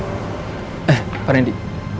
eh pak randy